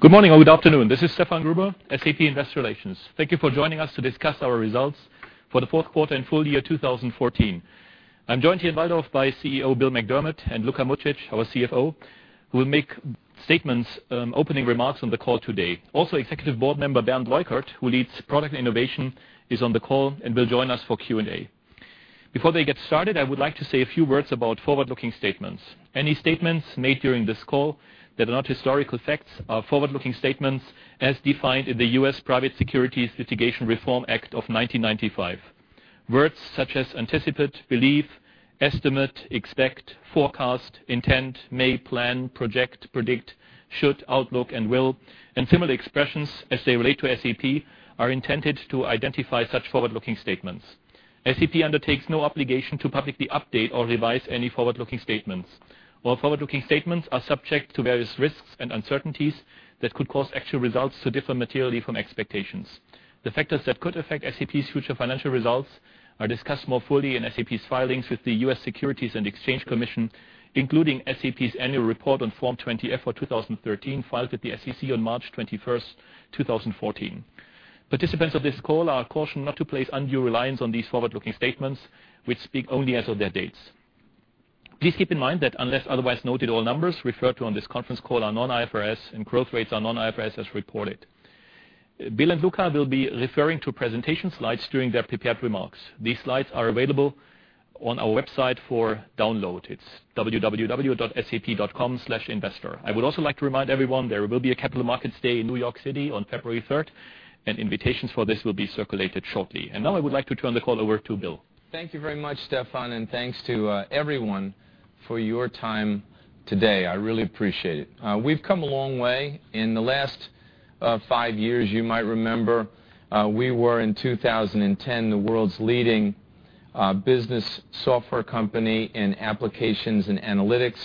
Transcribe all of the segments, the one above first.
Good morning or good afternoon. This is Stefan Gruber, SAP Investor Relations. Thank you for joining us to discuss our results for the fourth quarter and full year 2014. I'm joined here in Walldorf by CEO Bill McDermott and Luka Mucic, our CFO, who will make statements, opening remarks on the call today. Also, executive board member Bernd Leukert, who leads product innovation, is on the call and will join us for Q&A. Before they get started, I would like to say a few words about forward-looking statements. Any statements made during this call that are not historical facts are forward-looking statements as defined in the U.S. Private Securities Litigation Reform Act of 1995. Words such as anticipate, believe, estimate, expect, forecast, intent, may, plan, project, predict, should, outlook, and will, and similar expressions as they relate to SAP, are intended to identify such forward-looking statements. SAP undertakes no obligation to publicly update or revise any forward-looking statements. All forward-looking statements are subject to various risks and uncertainties that could cause actual results to differ materially from expectations. The factors that could affect SAP's future financial results are discussed more fully in SAP's filings with the U.S. Securities and Exchange Commission, including SAP's annual report on Form 20-F for 2013, filed with the SEC on March 21st, 2014. Participants of this call are cautioned not to place undue reliance on these forward-looking statements, which speak only as of their dates. Please keep in mind that unless otherwise noted, all numbers referred to on this conference call are non-IFRS and growth rates are non-IFRS as reported. Bill and Luka will be referring to presentation slides during their prepared remarks. These slides are available on our website for download. It's www.sap.com/investor. I would also like to remind everyone there will be a capital markets day in New York City on February 3rd, Invitations for this will be circulated shortly. Now I would like to turn the call over to Bill. Thank you very much, Stefan, Thanks to everyone for your time today. I really appreciate it. We've come a long way. In the last five years, you might remember, we were in 2010, the world's leading business software company in applications and analytics.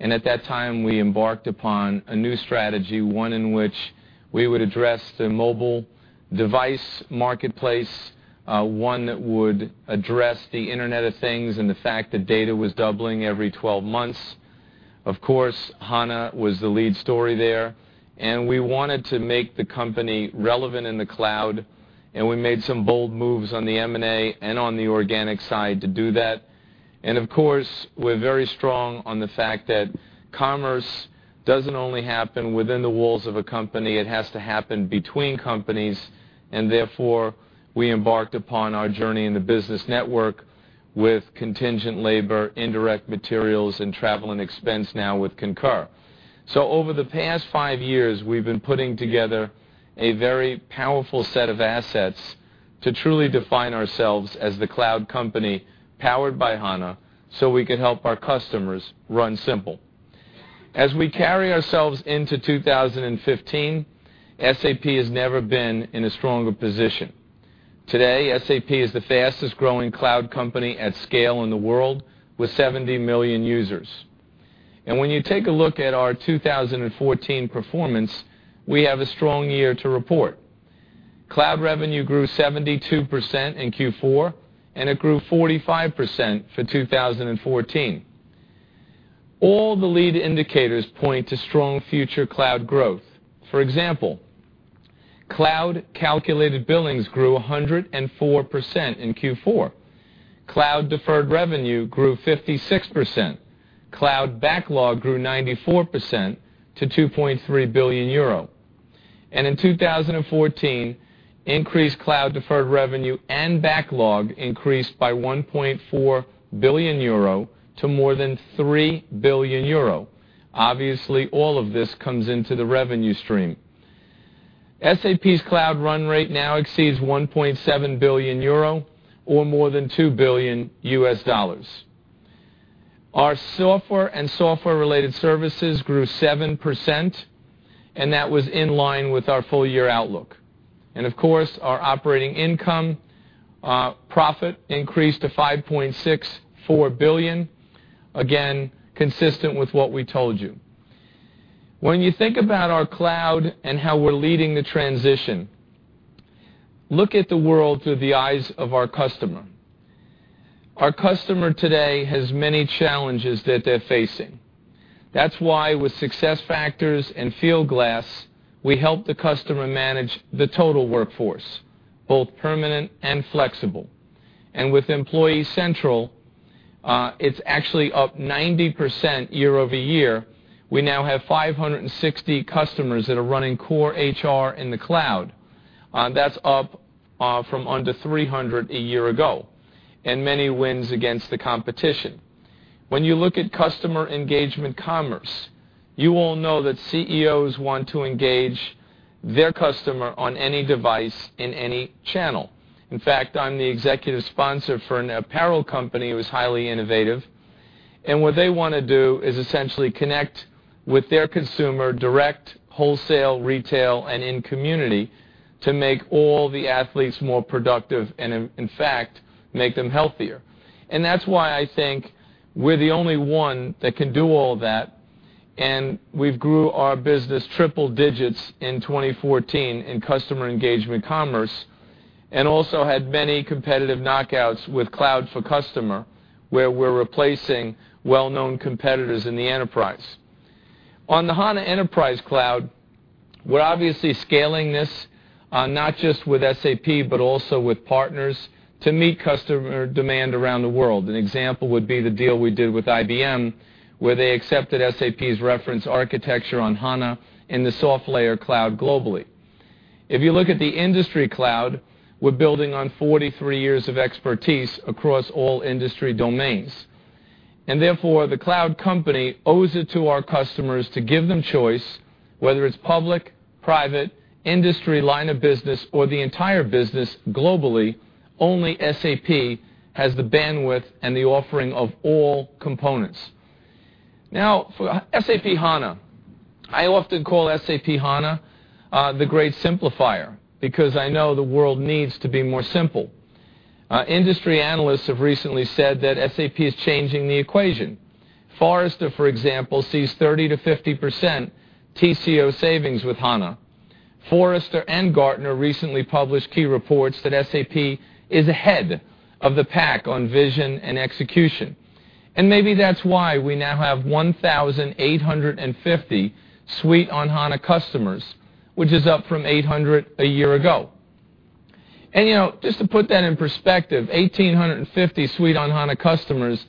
At that time, we embarked upon a new strategy, one in which we would address the mobile device marketplace, one that would address the Internet of Things and the fact that data was doubling every 12 months. Of course, HANA was the lead story there. We wanted to make the company relevant in the cloud. We made some bold moves on the M&A and on the organic side to do that. Of course, we're very strong on the fact that commerce doesn't only happen within the walls of a company, it has to happen between companies, therefore, we embarked upon our journey in the business network with contingent labor, indirect materials, and travel and expense now with Concur. Over the past five years, we've been putting together a very powerful set of assets to truly define ourselves as the cloud company powered by HANA, so we could help our customers run simple. As we carry ourselves into 2015, SAP has never been in a stronger position. Today, SAP is the fastest-growing cloud company at scale in the world with 70 million users. When you take a look at our 2014 performance, we have a strong year to report. Cloud revenue grew 72% in Q4, and it grew 45% for 2014. All the lead indicators point to strong future cloud growth. For example, cloud calculated billings grew 104% in Q4. Cloud deferred revenue grew 56%. Cloud backlog grew 94% to €2.3 billion. In 2014, increased cloud deferred revenue and backlog increased by €1.4 billion to more than €3 billion. Obviously, all of this comes into the revenue stream. SAP's cloud run rate now exceeds €1.7 billion or more than $2 billion U.S. Our software and software-related services grew 7%, and that was in line with our full-year outlook. Of course, our operating income profit increased to 5.64 billion, again, consistent with what we told you. When you think about our cloud and how we're leading the transition, look at the world through the eyes of our customer. Our customer today has many challenges that they're facing. That's why with SuccessFactors and Fieldglass, we help the customer manage the total workforce, both permanent and flexible. With Employee Central, it's actually up 90% year-over-year. We now have 560 customers that are running core HR in the cloud. That's up from under 300 a year ago, and many wins against the competition. When you look at customer engagement commerce, you all know that CEOs want to engage their customer on any device in any channel. In fact, I'm the executive sponsor for an apparel company who is highly innovative, and what they want to do is essentially connect with their consumer direct, wholesale, retail, and in community to make all the athletes more productive and, in fact, make them healthier. That's why I think we're the only one that can do all that, and we've grew our business triple digits in 2014 in customer engagement commerce. Also had many competitive knockouts with Cloud for Customer, where we're replacing well-known competitors in the enterprise. On the HANA Enterprise Cloud, we're obviously scaling this, not just with SAP, but also with partners to meet customer demand around the world. An example would be the deal we did with IBM, where they accepted SAP's reference architecture on HANA in the SoftLayer cloud globally. If you look at the industry cloud, we're building on 43 years of expertise across all industry domains, therefore, the cloud company owes it to our customers to give them choice, whether it's public, private, industry line of business, or the entire business globally, only SAP has the bandwidth and the offering of all components. For SAP HANA. I often call SAP HANA the great simplifier, because I know the world needs to be more simple. Industry analysts have recently said that SAP is changing the equation. Forrester, for example, sees 30%-50% TCO savings with HANA. Forrester and Gartner recently published key reports that SAP is ahead of the pack on vision and execution. Maybe that's why we now have 1,850 suite on HANA customers, which is up from 800 a year ago. Just to put that in perspective, 1,850 suite on HANA customers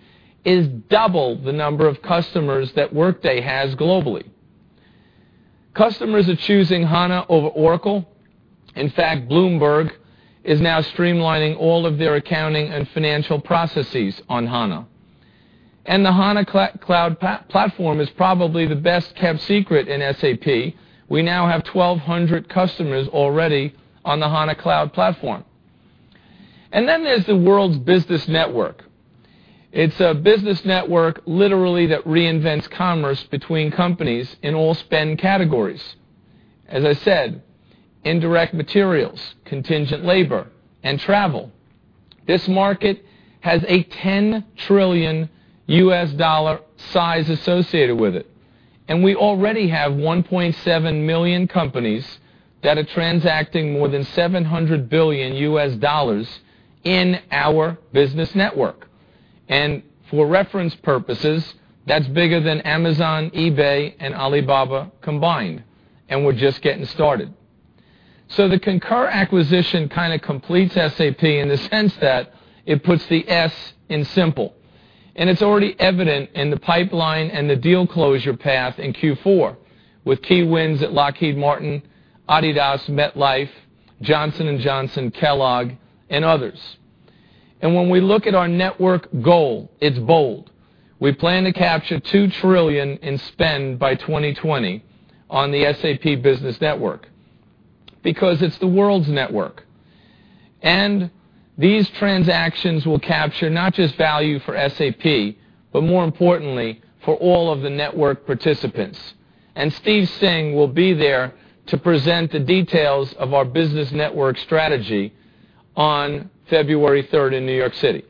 is double the number of customers that Workday has globally. Customers are choosing HANA over Oracle. In fact, Bloomberg is now streamlining all of their accounting and financial processes on HANA. The SAP HANA Cloud Platform is probably the best-kept secret in SAP. We now have 1,200 customers already on the SAP HANA Cloud Platform. There's the world's business network. It's a business network literally that reinvents commerce between companies in all spend categories. As I said, indirect materials, contingent labor, and travel. This market has a $10 trillion U.S. size associated with it, we already have 1.7 million companies that are transacting more than $700 billion U.S. in our business network. For reference purposes, that's bigger than Amazon, eBay, and Alibaba combined, and we're just getting started. The Concur acquisition kind of completes SAP in the sense that it puts the S in simple, and it's already evident in the pipeline and the deal closure path in Q4 with key wins at Lockheed Martin, Adidas, MetLife, Johnson & Johnson, Kellogg, and others. When we look at our network goal, it's bold. We plan to capture 2 trillion in spend by 2020 on the SAP Business Network because it's the world's network. These transactions will capture not just value for SAP, but more importantly for all of the network participants. Steve Singh will be there to present the details of our business network strategy on February 3rd in New York City.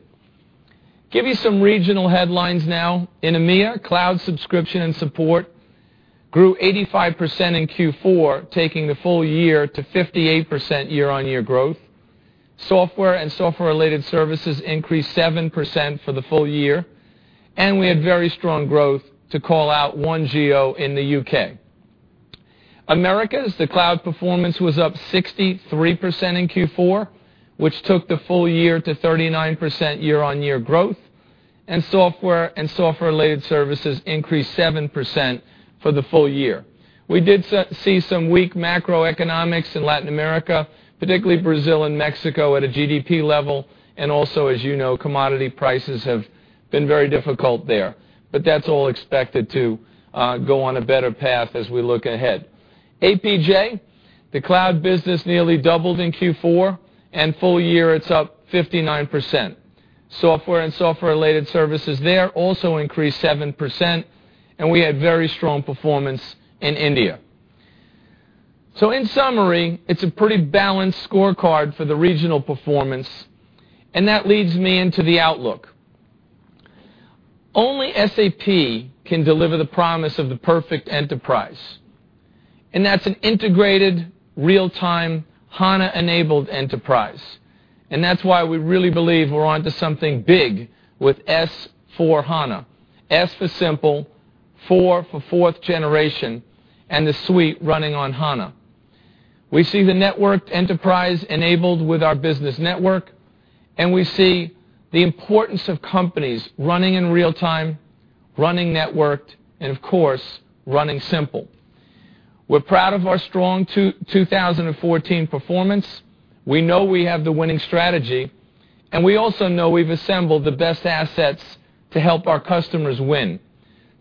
Give you some regional headlines now. In EMEA, cloud subscription and support grew 85% in Q4, taking the full year to 58% year-on-year growth. Software and software-related services increased 7% for the full year. We had very strong growth to call out OneGeo in the U.K. Americas, the cloud performance was up 63% in Q4, which took the full year to 39% year-on-year growth, and software and software-related services increased 7% for the full year. We did see some weak macroeconomics in Latin America, particularly Brazil and Mexico at a GDP level, and also, as you know, commodity prices have been very difficult there. That's all expected to go on a better path as we look ahead. APJ, the cloud business nearly doubled in Q4, and full year, it's up 59%. Software and software-related services there also increased 7%, and we had very strong performance in India. In summary, it's a pretty balanced scorecard for the regional performance, and that leads me into the outlook. Only SAP can deliver the promise of the perfect enterprise, and that's an integrated real-time HANA-enabled enterprise. That's why we really believe we're onto something big with SAP S/4HANA. S for simple, four for fourth generation, and the suite running on HANA. We see the networked enterprise enabled with our business network. We see the importance of companies running in real time, running networked, and of course, running simple. We're proud of our strong 2014 performance. We know we have the winning strategy. We also know we've assembled the best assets to help our customers win.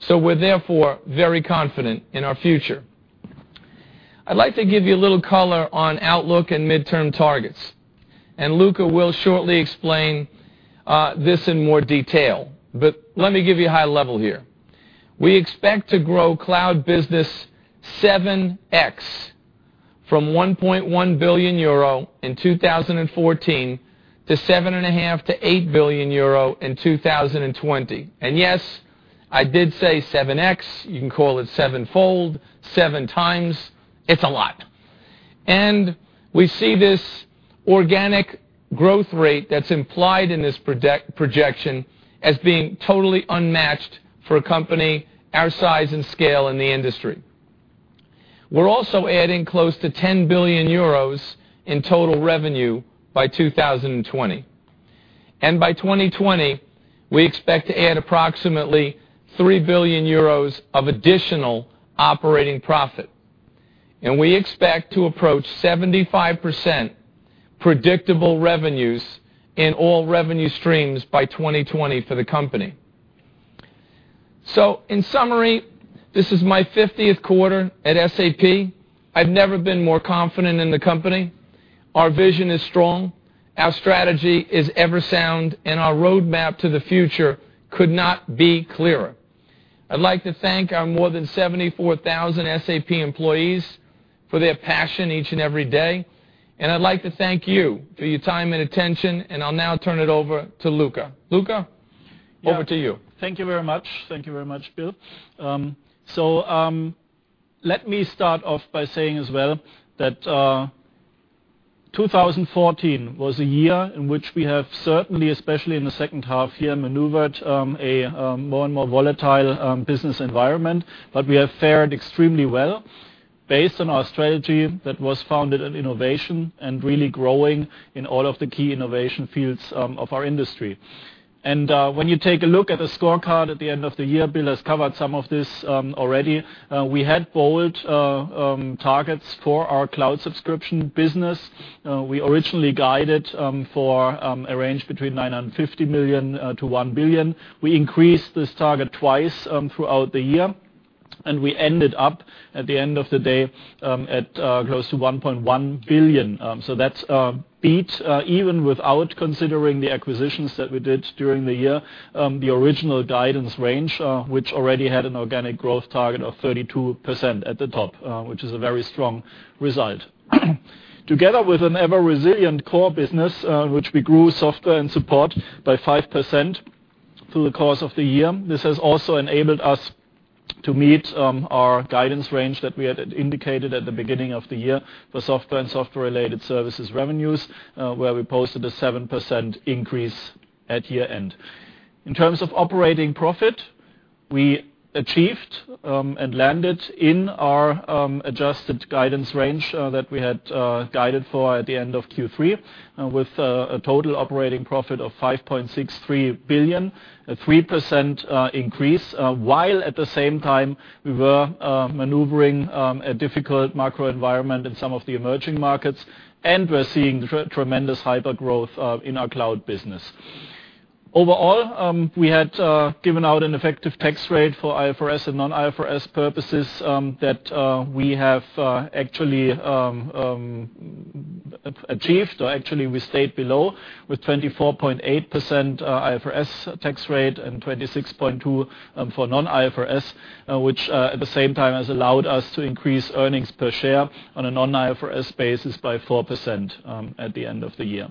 We're therefore very confident in our future. I'd like to give you a little color on outlook and midterm targets. Luka will shortly explain this in more detail. Let me give you a high level here. We expect to grow cloud business 7x from 1.1 billion euro in 2014 to 7.5 billion-8 billion euro in 2020. Yes, I did say 7x, you can call it sevenfold, seven times. It's a lot. We see this organic growth rate that's implied in this projection as being totally unmatched for a company our size and scale in the industry. We're also adding close to 10 billion euros in total revenue by 2020. By 2020, we expect to add approximately 3 billion euros of additional operating profit. We expect to approach 75% predictable revenues in all revenue streams by 2020 for the company. In summary, this is my 50th quarter at SAP. I've never been more confident in the company. Our vision is strong, our strategy is ever sound, and our roadmap to the future could not be clearer. I'd like to thank our more than 74,000 SAP employees for their passion each and every day. I'd like to thank you for your time and attention. I'll now turn it over to Luka. Luka, over to you. Thank you very much. Thank you very much, Bill. Let me start off by saying as well that 2014 was a year in which we have certainly, especially in the second half here, maneuvered a more and more volatile business environment. We have fared extremely well based on our strategy that was founded on innovation and really growing in all of the key innovation fields of our industry. When you take a look at the scorecard at the end of the year, Bill has covered some of this already, we had bold targets for our cloud subscription business. We originally guided for a range between 950 million-1 billion. We increased this target twice throughout the year, and we ended up, at the end of the day, at close to 1.1 billion. That beats, even without considering the acquisitions that we did during the year, the original guidance range, which already had an organic growth target of 32% at the top, which is a very strong result. Together with an ever-resilient core business, which we grew software and support by 5% through the course of the year. This has also enabled us to meet our guidance range that we had indicated at the beginning of the year for software and software-related services revenues, where we posted a 7% increase at year-end. In terms of operating profit, we achieved and landed in our adjusted guidance range that we had guided for at the end of Q3 with a total operating profit of 5.63 billion, a 3% increase, while at the same time we were maneuvering a difficult macro environment in some of the emerging markets. We are seeing tremendous hypergrowth in our cloud business. Overall, we had given out an effective tax rate for IFRS and non-IFRS purposes that we have actually achieved, or actually we stayed below, with 24.8% IFRS tax rate and 26.2% for non-IFRS. Which at the same time has allowed us to increase earnings per share on a non-IFRS basis by 4% at the end of the year.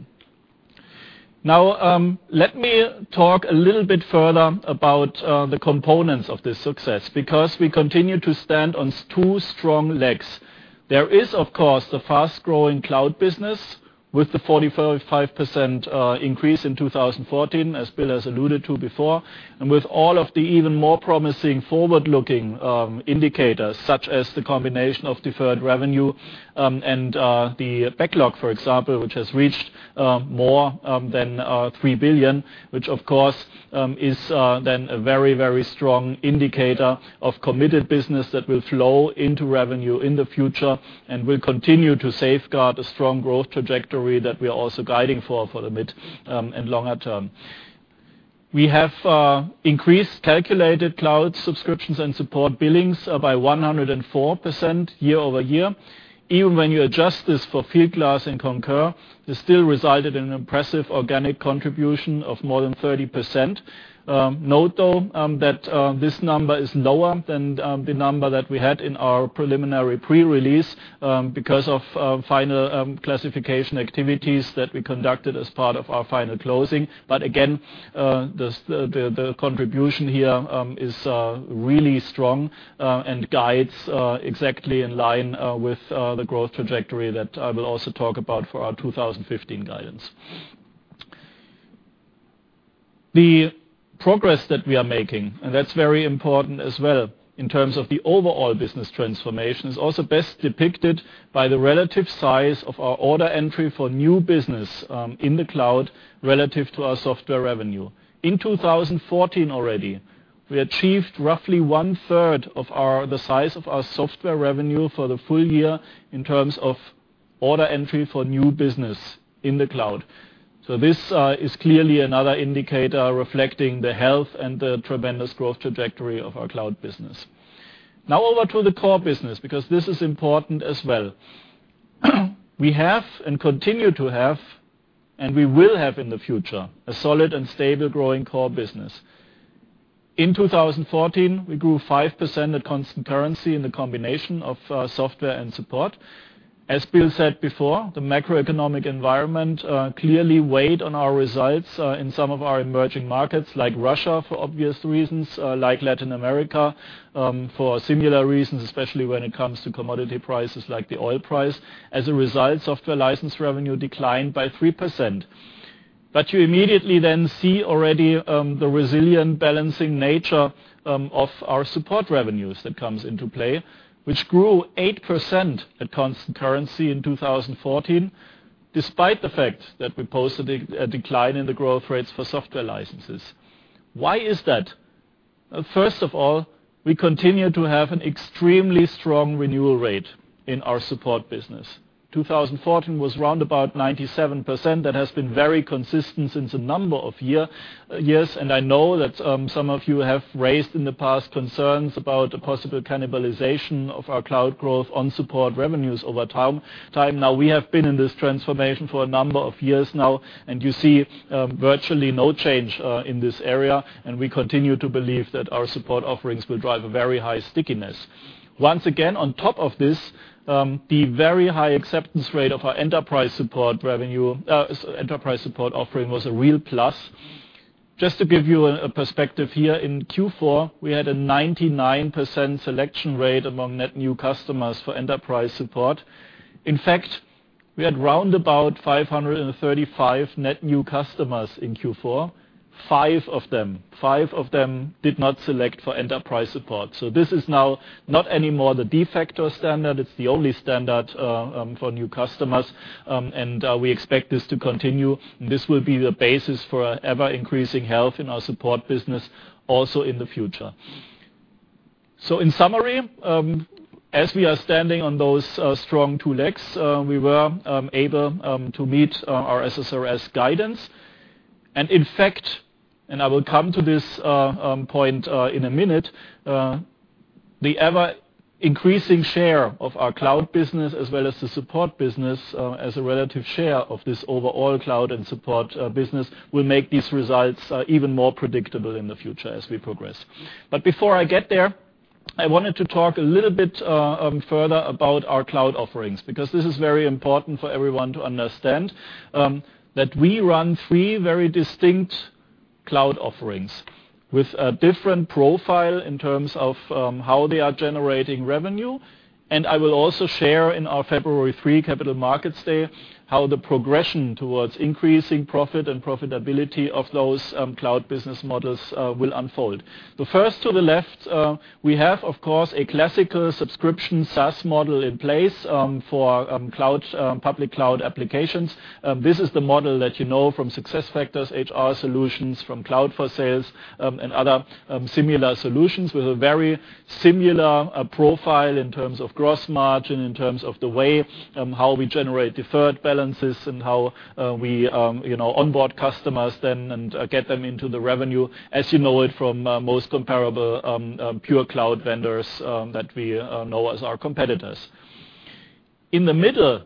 Let me talk a little bit further about the components of this success, because we continue to stand on two strong legs. There is, of course, the fast-growing cloud business with the 45% increase in 2014, as Bill has alluded to before. With all of the even more promising forward-looking indicators, such as the combination of deferred revenue and the backlog, for example, which has reached more than 3 billion. Which, of course, is then a very strong indicator of committed business that will flow into revenue in the future and will continue to safeguard a strong growth trajectory that we are also guiding for the mid and longer term. We have increased calculated cloud subscriptions and support billings by 104% year-over-year. Even when you adjust this for Fieldglass and Concur, this still resulted in an impressive organic contribution of more than 30%. Note, though, that this number is lower than the number that we had in our preliminary pre-release because of final classification activities that we conducted as part of our final closing. Again, the contribution here is really strong and guides exactly in line with the growth trajectory that I will also talk about for our 2015 guidance. The progress that we are making, and that's very important as well in terms of the overall business transformation, is also best depicted by the relative size of our order entry for new business in the cloud relative to our software revenue. In 2014 already, we achieved roughly one third of the size of our software revenue for the full year in terms of order entry for new business in the cloud. This is clearly another indicator reflecting the health and the tremendous growth trajectory of our cloud business. Over to the core business, because this is important as well. We have, and continue to have, and we will have in the future, a solid and stable growing core business. In 2014, we grew 5% at constant currency in the combination of software and support. As Bill said before, the macroeconomic environment clearly weighed on our results in some of our emerging markets like Russia, for obvious reasons, like Latin America for similar reasons, especially when it comes to commodity prices like the oil price. As a result, software license revenue declined by 3%. You immediately then see already the resilient balancing nature of our support revenues that comes into play, which grew 8% at constant currency in 2014, despite the fact that we posted a decline in the growth rates for software licenses. Why is that? First of all, we continue to have an extremely strong renewal rate in our support business. 2014 was roundabout 97%. That has been very consistent since a number of years, and I know that some of you have raised in the past concerns about a possible cannibalization of our cloud growth on support revenues over time. Now, we have been in this transformation for a number of years now, and you see virtually no change in this area, and we continue to believe that our support offerings will drive a very high stickiness. Once again, on top of this, the very high acceptance rate of our enterprise support offering was a real plus. Just to give you a perspective here, in Q4, we had a 99% selection rate among net new customers for enterprise support. In fact, we had roundabout 535 net new customers in Q4. Five of them did not select for enterprise support. This is now not anymore the de facto standard. It's the only standard for new customers, we expect this to continue. This will be the basis for our ever-increasing health in our support business also in the future. In summary, as we are standing on those strong two legs, we were able to meet our SSRS guidance. In fact, I will come to this point in a minute, the ever-increasing share of our cloud business as well as the support business as a relative share of this overall cloud and support business will make these results even more predictable in the future as we progress. Before I get there, I wanted to talk a little bit further about our cloud offerings, because this is very important for everyone to understand, that we run three very distinct cloud offerings with a different profile in terms of how they are generating revenue. I will also share in our February 3 Capital Markets Day how the progression towards increasing profit and profitability of those cloud business models will unfold. The first to the left, we have, of course, a classical subscription SaaS model in place for public cloud applications. This is the model that you know from SuccessFactors HR solutions, from Cloud for Sales, other similar solutions with a very similar profile in terms of gross margin, in terms of the way how we generate deferred balances and how we onboard customers then and get them into the revenue, as you know it from most comparable pure cloud vendors that we know as our competitors. In the middle,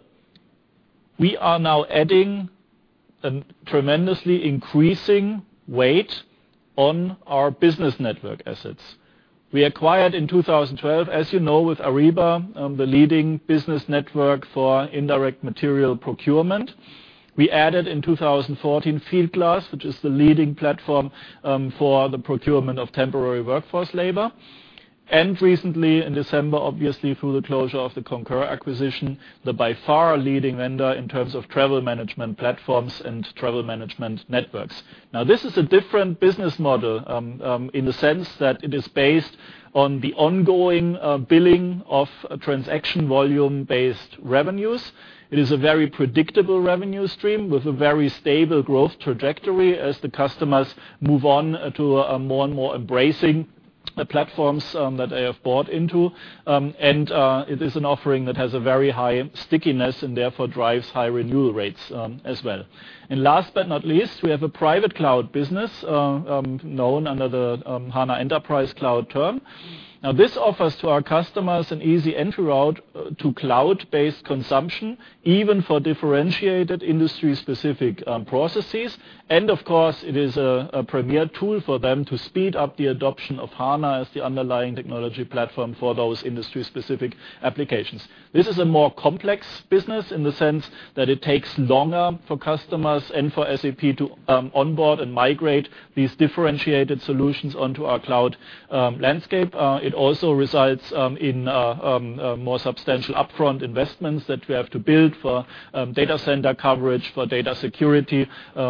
we are now adding a tremendously increasing weight on our business network assets. We acquired in 2012, as you know, with Ariba, the leading business network for indirect material procurement. We added in 2014 Fieldglass, which is the leading platform for the procurement of temporary workforce labor. Recently in December, obviously, through the closure of the Concur acquisition, the by far leading vendor in terms of travel management platforms and travel management networks. This is a different business model in the sense that it is based on the ongoing billing of transaction volume-based revenues. It is a very predictable revenue stream with a very stable growth trajectory as the customers move on to more and more embracing platforms that they have bought into. It is an offering that has a very high stickiness and therefore drives high renewal rates as well. Last but not least, we have a private cloud business, known under the SAP HANA Enterprise Cloud term. This offers to our customers an easy entry route to cloud-based consumption, even for differentiated industry-specific processes. Of course, it is a premier tool for them to speed up the adoption of SAP HANA as the underlying technology platform for those industry-specific applications. This is a more complex business in the sense that it takes longer for customers and for SAP to onboard and migrate these differentiated solutions onto our cloud landscape. It also resides in more substantial upfront investments that we have to build for data center coverage, for data security.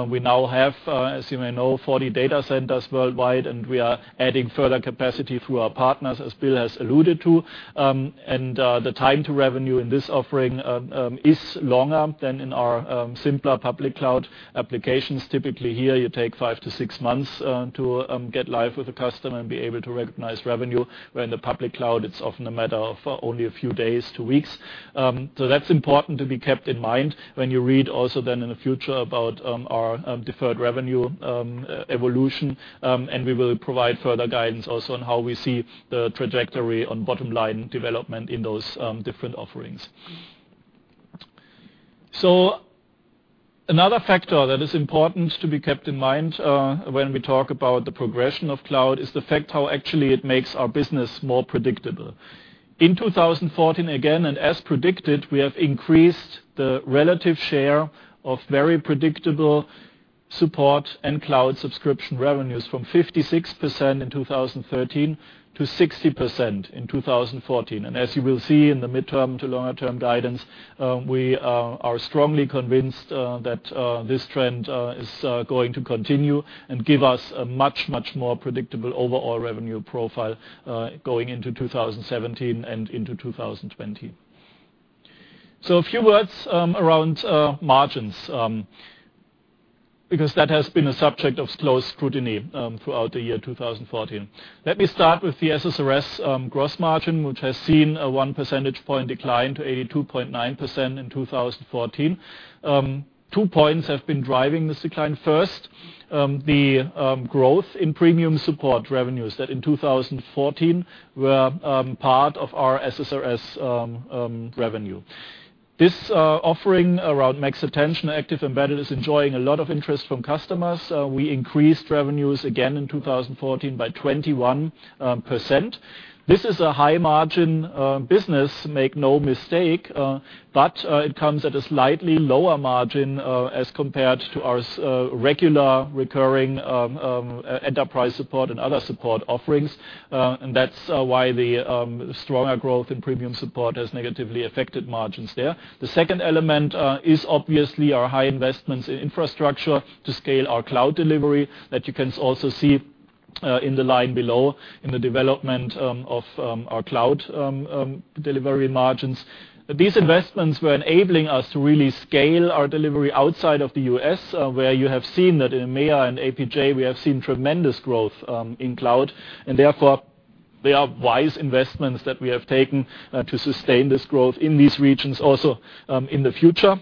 We now have, as you may know, 40 data centers worldwide, and we are adding further capacity through our partners, as Bill has alluded to. The time to revenue in this offering is longer than in our simpler public cloud applications. Typically here, you take 5-6 months to get live with a customer and be able to recognize revenue. Where in the public cloud, it's often a matter of only a few days to weeks. That's important to be kept in mind when you read also then in the future about our deferred revenue evolution. We will provide further guidance also on how we see the trajectory on bottom line development in those different offerings. Another factor that is important to be kept in mind when we talk about the progression of cloud is the fact how actually it makes our business more predictable. In 2014, again, and as predicted, we have increased the relative share of very predictable support and cloud subscription revenues from 56% in 2013 to 60% in 2014. As you will see in the midterm to longer term guidance, we are strongly convinced that this trend is going to continue and give us a much, much more predictable overall revenue profile going into 2017 and into 2020. A few words around margins because that has been a subject of close scrutiny throughout the year 2014. Let me start with the SSRS gross margin, which has seen a one percentage point decline to 82.9% in 2014. 2 points have been driving this decline. First, the growth in premium support revenues that in 2014 were part of our SSRS revenue. This offering around SAP MaxAttention SAP ActiveEmbedded is enjoying a lot of interest from customers. We increased revenues again in 2014 by 21%. This is a high margin business, make no mistake, but it comes at a slightly lower margin as compared to our regular recurring enterprise support and other support offerings. That's why the stronger growth in premium support has negatively affected margins there. The second element is obviously our high investments in infrastructure to scale our cloud delivery that you can also see in the line below in the development of our cloud delivery margins. These investments were enabling us to really scale our delivery outside of the U.S., where you have seen that in EMEA and APJ, we have seen tremendous growth in cloud, and therefore, they are wise investments that we have taken to sustain this growth in these regions also in the future.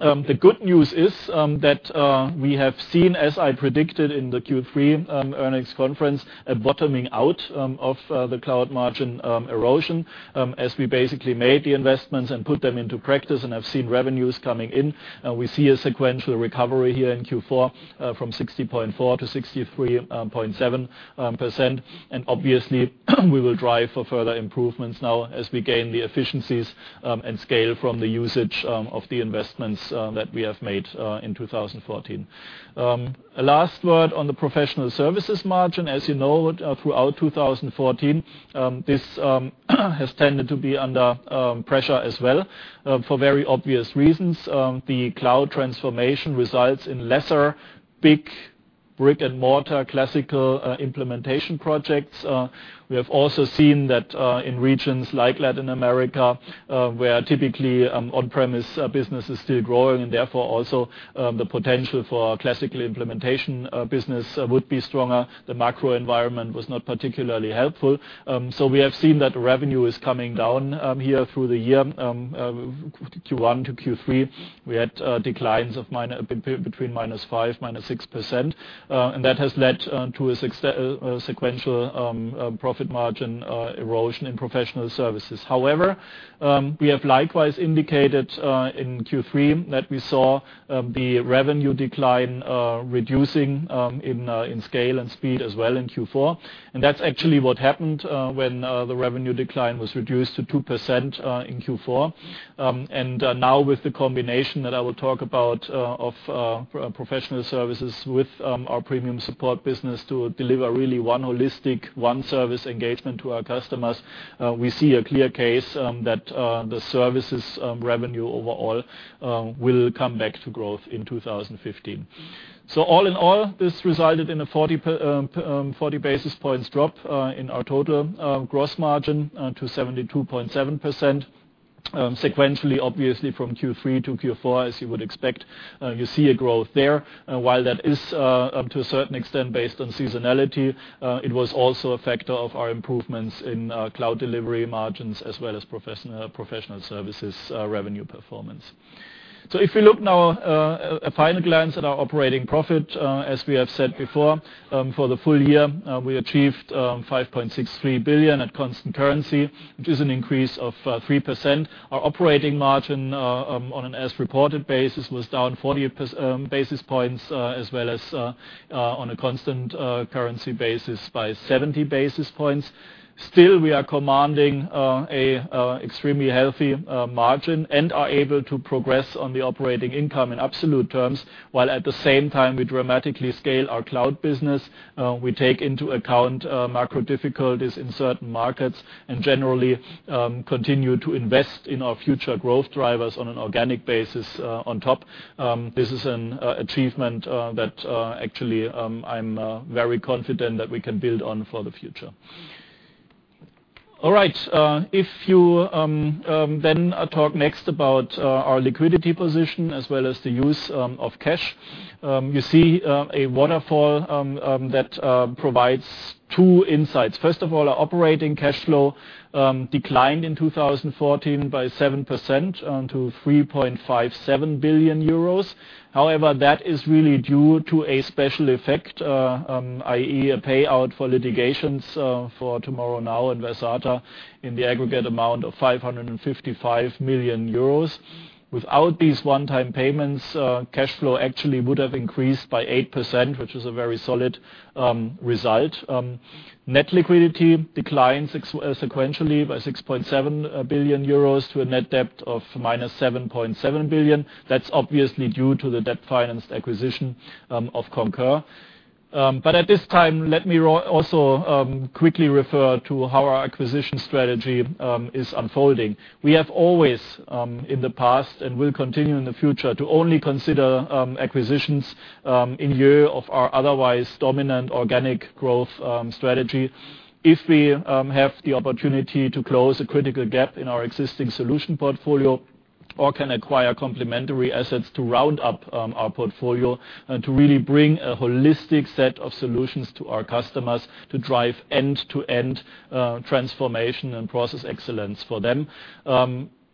The good news is that we have seen, as I predicted in the Q3 earnings conference, a bottoming out of the cloud margin erosion. As we basically made the investments and put them into practice and have seen revenues coming in. We see a sequential recovery here in Q4 from 60.4% to 63.7%. Obviously, we will drive for further improvements now as we gain the efficiencies and scale from the usage of the investments that we have made in 2014. A last word on the professional services margin. As you know, throughout 2014, this has tended to be under pressure as well for very obvious reasons. The cloud transformation results in lesser big brick and mortar classical implementation projects. We have also seen that in regions like Latin America, where typically on-premise business is still growing, and therefore also the potential for classical implementation business would be stronger. The macro environment was not particularly helpful. We have seen that revenue is coming down here through the year. Q1 to Q3, we had declines of between -5%, -6%, and that has led to a sequential profit margin erosion in professional services. We have likewise indicated in Q3 that we saw the revenue decline reducing in scale and speed as well in Q4, and that's actually what happened when the revenue decline was reduced to 2% in Q4. Now with the combination that I will talk about of professional services with our premium support business to deliver really one holistic, one service engagement to our customers. We see a clear case that the services revenue overall will come back to growth in 2015. All in all, this resulted in a 40 basis points drop in our total gross margin to 72.7%. Sequentially, obviously from Q3 to Q4, as you would expect, you see a growth there. While that is up to a certain extent based on seasonality, it was also a factor of our improvements in cloud delivery margins as well as professional services revenue performance. If we look now a final glance at our operating profit. As we have said before, for the full year, we achieved 5.63 billion at constant currency, which is an increase of 3%. Our operating margin on an as reported basis was down 40 basis points as well as on a constant currency basis by 70 basis points. We are commanding extremely healthy margin and are able to progress on the operating income in absolute terms, while at the same time we dramatically scale our cloud business. We take into account macro difficulties in certain markets and generally continue to invest in our future growth drivers on an organic basis on top. This is an achievement that actually I'm very confident that we can build on for the future. All right. If you then talk next about our liquidity position as well as the use of cash. You see a waterfall that provides two insights. First of all, our operating cash flow declined in 2014 by 7% to 3.57 billion euros. That is really due to a special effect, i.e., a payout for litigations for TomorrowNow and Versata in the aggregate amount of 555 million euros. Without these one-time payments, cash flow actually would have increased by 8%, which is a very solid result. Net liquidity declined sequentially by 6.7 billion euros to a net debt of minus 7.7 billion. That's obviously due to the debt-financed acquisition of Concur. At this time, let me also quickly refer to how our acquisition strategy is unfolding. We have always, in the past, and will continue in the future, to only consider acquisitions in lieu of our otherwise dominant organic growth strategy. If we have the opportunity to close a critical gap in our existing solution portfolio or can acquire complementary assets to round up our portfolio and to really bring a holistic set of solutions to our customers to drive end-to-end transformation and process excellence for them.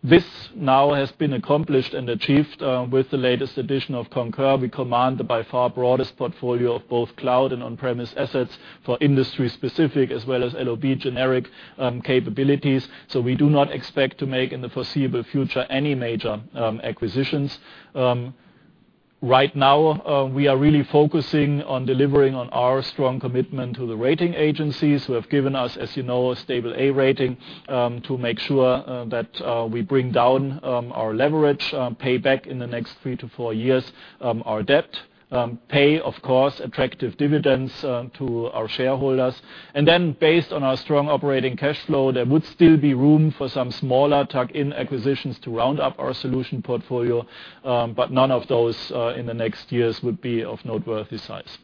This now has been accomplished and achieved with the latest edition of Concur. We command the by far broadest portfolio of both cloud and on-premise assets for industry-specific as well as LOB generic capabilities. We do not expect to make, in the foreseeable future, any major acquisitions. Right now, we are really focusing on delivering on our strong commitment to the rating agencies who have given us, as you know, a stable A rating, to make sure that we bring down our leverage, pay back in the next 3 to 4 years our debt, pay, of course, attractive dividends to our shareholders. Based on our strong operating cash flow, there would still be room for some smaller tuck-in acquisitions to round up our solution portfolio. None of those in the next years would be of noteworthy size.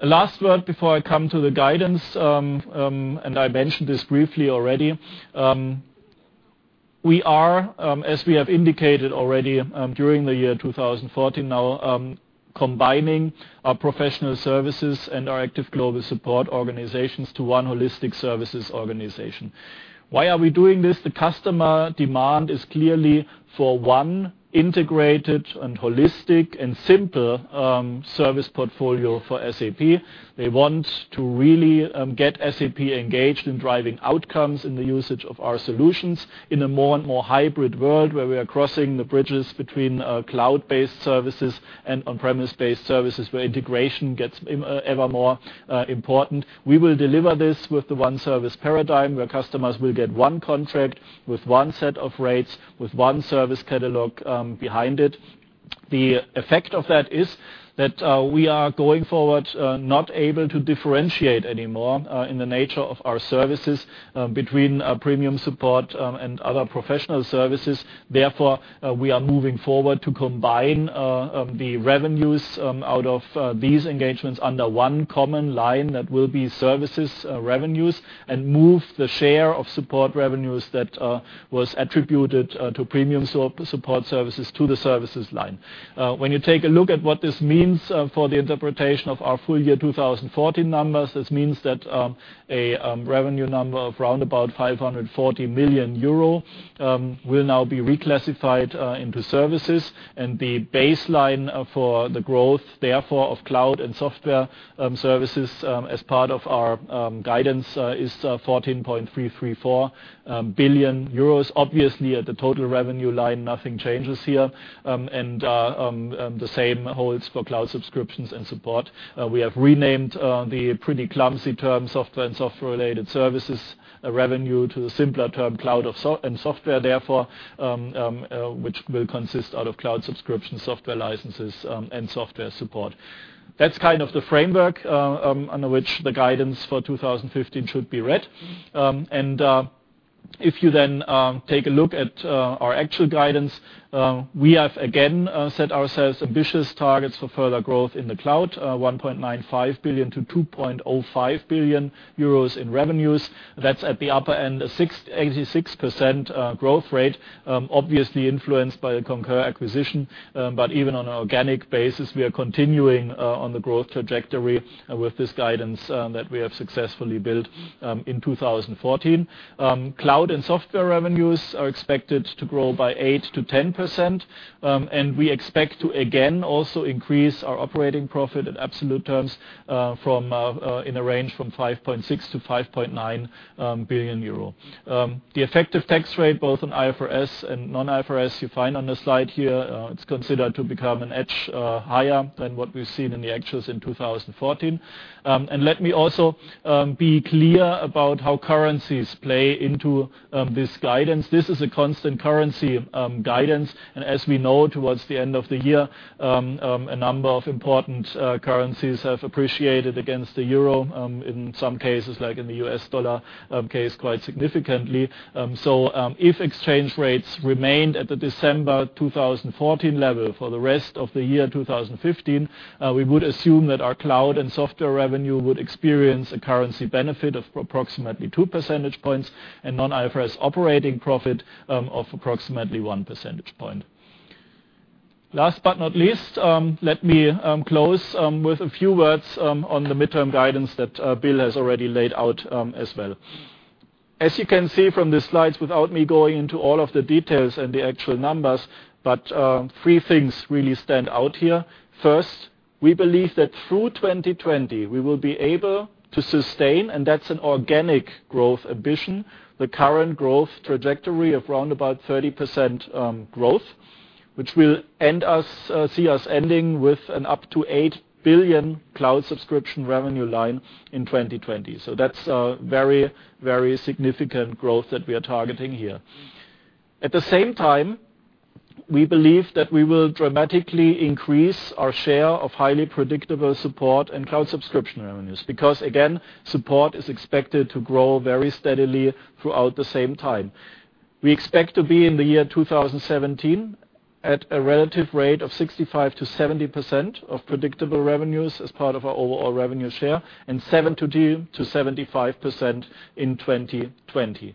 A last word before I come to the guidance, and I mentioned this briefly already. We are, as we have indicated already during the year 2014, now combining our professional services and our active global support organizations to one holistic services organization. Why are we doing this? The customer demand is clearly for one integrated and holistic and simpler service portfolio for SAP. They want to really get SAP engaged in driving outcomes in the usage of our solutions in a more and more hybrid world, where we are crossing the bridges between cloud-based services and on-premise-based services, where integration gets ever more important. We will deliver this with the one service paradigm, where customers will get one contract with one set of rates, with one service catalog behind it. The effect of that is that we are going forward not able to differentiate anymore in the nature of our services between our premium support and other professional services. Therefore, we are moving forward to combine the revenues out of these engagements under one common line that will be services revenues and move the share of support revenues that was attributed to premium support services to the services line. When you take a look at what this means for the interpretation of our full year 2014 numbers, this means that a revenue number of roundabout 540 million euro will now be reclassified into services. The baseline for the growth, therefore, of cloud and software services as part of our guidance is 14.334 billion euros. Obviously, at the total revenue line, nothing changes here. The same holds for cloud subscriptions and support. We have renamed the pretty clumsy term software and software-related services revenue to the simpler term cloud and software, therefore, which will consist out of cloud subscription, software licenses, and software support. That's kind of the framework under which the guidance for 2015 should be read. If you then take a look at our actual guidance, we have, again, set ourselves ambitious targets for further growth in the cloud, 1.95 billion to 2.05 billion euros in revenues. That's at the upper end, an 86% growth rate, obviously influenced by the Concur acquisition. Even on an organic basis, we are continuing on the growth trajectory with this guidance that we have successfully built in 2014. Cloud and software revenues are expected to grow by 8%-10%, we expect to, again, also increase our operating profit in absolute terms in a range from 5.6 billion to 5.9 billion euro. The effective tax rate, both on IFRS and non-IFRS, you find on the slide here. It's considered to become an edge higher than what we've seen in the actuals in 2014. Let me also be clear about how currencies play into this guidance. This is a constant currency guidance, and as we know, towards the end of the year, a number of important currencies have appreciated against the euro, in some cases, like in the U.S. dollar case, quite significantly. If exchange rates remained at the December 2014 level for the rest of the year 2015, we would assume that our cloud and software revenue would experience a currency benefit of approximately two percentage points and non-IFRS operating profit of approximately one percentage point. Last but not least, let me close with a few words on the midterm guidance that Bill has already laid out as well. As you can see from the slides, without me going into all of the details and the actual numbers, three things really stand out here. First, we believe that through 2020, we will be able to sustain, and that's an organic growth ambition, the current growth trajectory of round about 30% growth, which will see us ending with an up to 8 billion cloud subscription revenue line in 2020. That's a very significant growth that we are targeting here. At the same time, we believe that we will dramatically increase our share of highly predictable support and cloud subscription revenues, because again, support is expected to grow very steadily throughout the same time. We expect to be in the year 2017 at a relative rate of 65%-70% of predictable revenues as part of our overall revenue share, and 70%-75% in 2020.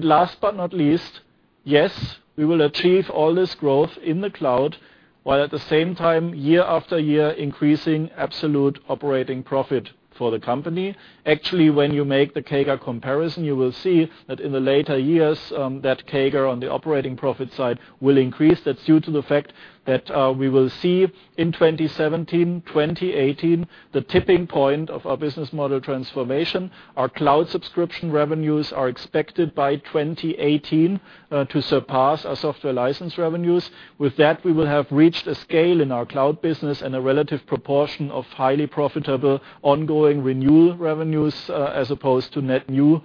Last but not least, yes, we will achieve all this growth in the cloud, while at the same time, year after year, increasing absolute operating profit for the company. Actually, when you make the CAGR comparison, you will see that in the later years, that CAGR on the operating profit side will increase. That's due to the fact that we will see in 2017, 2018, the tipping point of our business model transformation. Our cloud subscription revenues are expected by 2018 to surpass our software license revenues. With that, we will have reached a scale in our cloud business and a relative proportion of highly profitable ongoing renewal revenues, as opposed to net new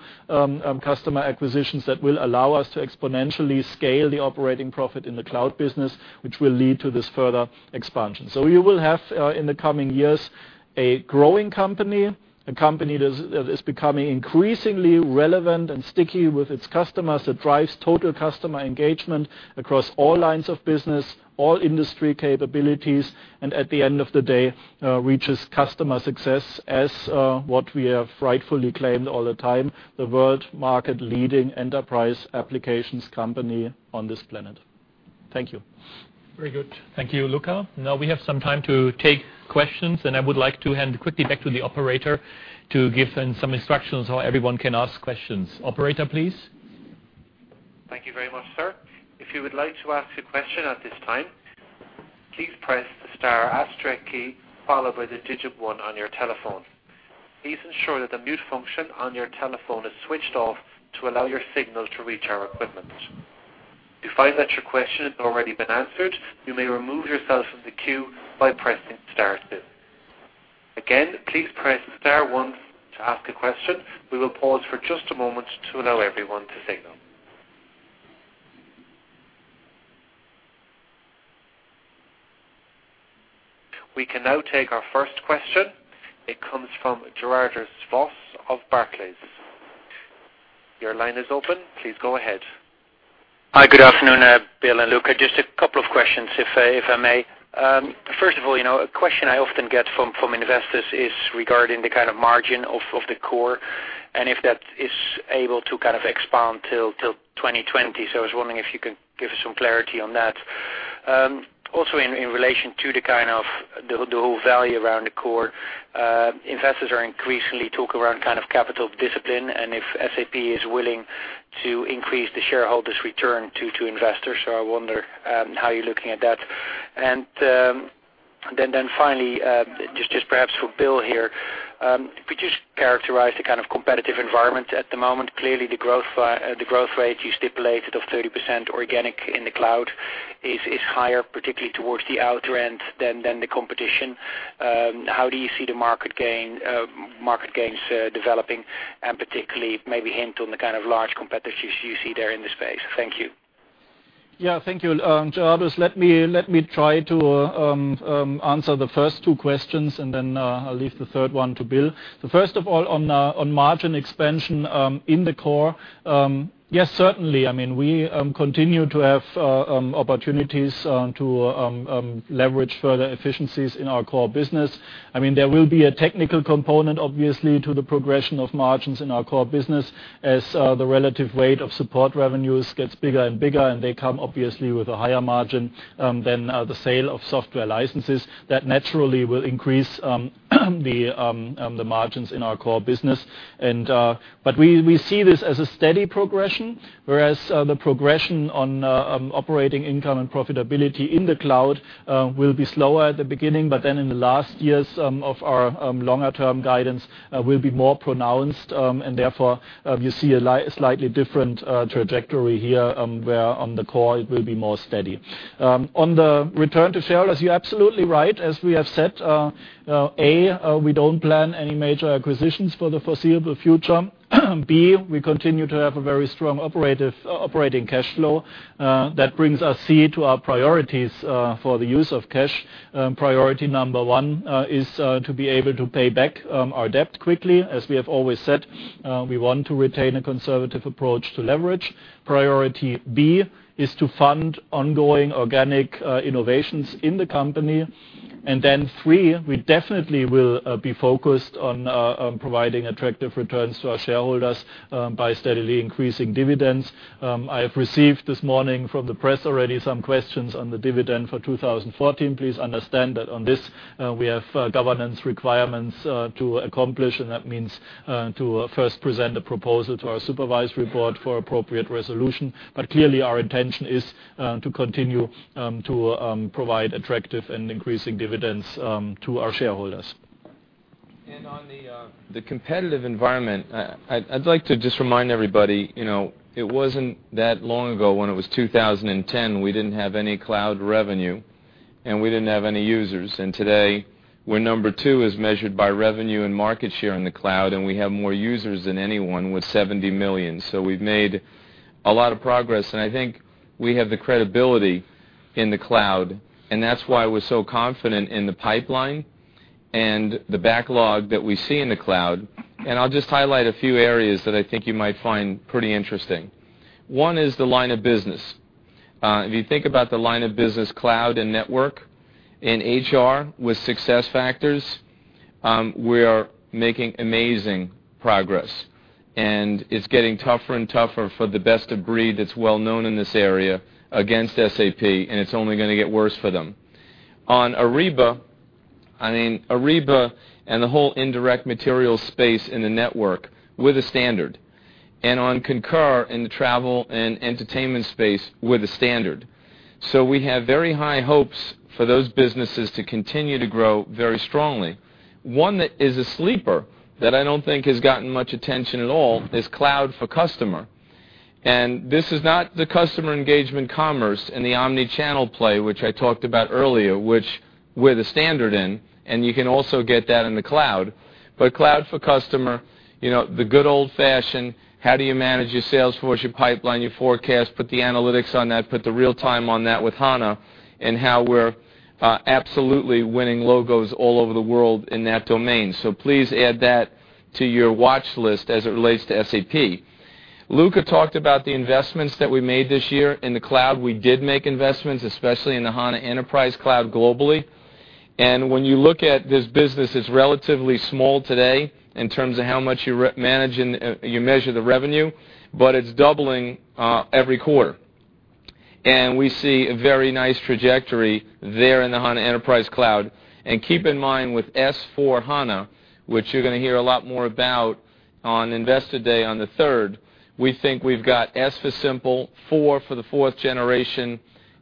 customer acquisitions that will allow us to exponentially scale the operating profit in the cloud business, which will lead to this further expansion. You will have, in the coming years, a growing company, a company that is becoming increasingly relevant and sticky with its customers, that drives total customer engagement across all lines of business, all industry capabilities, and at the end of the day, reaches customer success as what we have rightfully claimed all the time, the world market leading enterprise applications company on this planet. Thank you. Very good. Thank you, Luka. We have some time to take questions, and I would like to hand quickly back to the operator to give them some instructions how everyone can ask questions. Operator, please. Thank you very much, sir. If you would like to ask a question at this time, please press the star asterisk key followed by the 1 on your telephone. Please ensure that the mute function on your telephone is switched off to allow your signal to reach our equipment. If you find that your question has already been answered, you may remove yourself from the queue by pressing star 2. Again, please press star 1 to ask a question. We will pause for just a moment to allow everyone to signal. We can now take our first question. It comes from Gerardus Vos of Barclays. Your line is open. Please go ahead. Hi, good afternoon, Bill and Luka. Just a couple of questions, if I may. A question I often get from investors is regarding the kind of margin of the core and if that is able to kind of expand till 2020. I was wondering if you could give us some clarity on that. In relation to the kind of the whole value around the core, investors are increasingly talking around kind of capital discipline and if SAP is willing to increase the shareholders' return to investors. I wonder how you're looking at that. Finally, just perhaps for Bill here, could you characterize the kind of competitive environment at the moment? Clearly, the growth rate you stipulated of 30% organic in the cloud is higher, particularly towards the outer end than the competition. How do you see the market gains developing and particularly maybe hint on the kind of large competitors you see there in the space? Thank you. Thank you, Gerardus. Let me try to answer the first two questions, I'll leave the third one to Bill. First of all, on margin expansion in the core, yes, certainly, we continue to have opportunities to leverage further efficiencies in our core business. There will be a technical component, obviously, to the progression of margins in our core business as the relative weight of support revenues gets bigger and bigger, They come obviously with a higher margin than the sale of software licenses. That naturally will increase the margins in our core business. We see this as a steady progression, whereas the progression on operating income and profitability in the cloud will be slower at the beginning, in the last years of our longer-term guidance will be more pronounced. Therefore, you see a slightly different trajectory here, where on the core it will be more steady. On the return to shareholders, you're absolutely right. As we have said, A, we don't plan any major acquisitions for the foreseeable future. B, we continue to have a very strong operating cash flow. That brings us, C, to our priorities for the use of cash. Priority number one is to be able to pay back our debt quickly. As we have always said, we want to retain a conservative approach to leverage. Priority B is to fund ongoing organic innovations in the company. Three, we definitely will be focused on providing attractive returns to our shareholders by steadily increasing dividends. I have received this morning from the press already some questions on the dividend for 2014. Please understand that on this we have governance requirements to accomplish, That means to first present a proposal to our Supervisory Board for appropriate resolution. Clearly our intention is to continue to provide attractive and increasing dividends to our shareholders. On the competitive environment, I'd like to just remind everybody, it wasn't that long ago when it was 2010, we didn't have any cloud revenue. We didn't have any users. Today, we're number two as measured by revenue and market share in the cloud, and we have more users than anyone with 70 million. We've made a lot of progress, and I think we have the credibility in the cloud, and that's why we're so confident in the pipeline and the backlog that we see in the cloud. I'll just highlight a few areas that I think you might find pretty interesting. One is the line of business. If you think about the line of business cloud and network in HR with SAP SuccessFactors, we are making amazing progress. It's getting tougher and tougher for the best of breed that's well-known in this area against SAP, and it's only going to get worse for them. On Ariba, I mean, Ariba and the whole indirect material space in the network, we're the standard. On Concur, in the travel and entertainment space, we're the standard. We have very high hopes for those businesses to continue to grow very strongly. One that is a sleeper that I don't think has gotten much attention at all is SAP Cloud for Customer. This is not the SAP Customer Engagement and Commerce in the omnichannel play, which I talked about earlier, which we're the standard in, and you can also get that in the cloud. SAP Cloud for Customer, the good old-fashioned how do you manage your sales force, your pipeline, your forecast, put the analytics on that, put the real-time on that with SAP HANA, how we're absolutely winning logos all over the world in that domain. Please add that to your watch list as it relates to SAP. Luka talked about the investments that we made this year in the cloud. We did make investments, especially in the SAP HANA Enterprise Cloud globally. When you look at this business, it's relatively small today in terms of how much you measure the revenue, but it's doubling every quarter. We see a very nice trajectory there in the SAP HANA Enterprise Cloud. Keep in mind with SAP S/4HANA, which you're going to hear a lot more about on Investor Day on the 3rd, we think we've got S for simple, four for the fourth generation